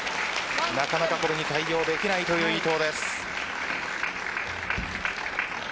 なかなかこれに対応できない伊藤です。